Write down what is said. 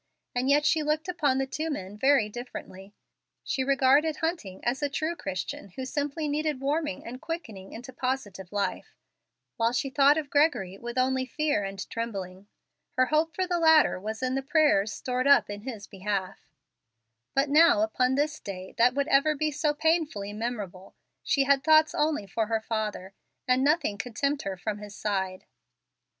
And yet she looked upon the two men very differently. She regarded Hunting as a true Christian who simply needed warming and quickening into positive life, while she thought of Gregory with only fear and trembling. Her hope for the latter was in the prayers stored up in his behalf. But now upon this day that would ever be so painfully memorable she had thoughts only for her father, and nothing could tempt her from his side.